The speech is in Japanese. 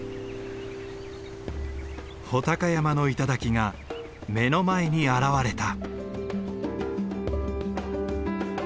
武尊山の頂が目の前に現れた。